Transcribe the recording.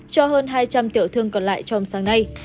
cho hơn hai trăm linh tiểu thương còn lại trong sáng nay